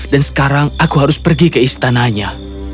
dan sekarang aku harus pergi ke istananya